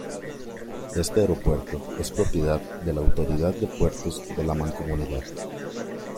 Este aeropuerto es propiedad de la Autoridad de Puertos de la Mancomunidad.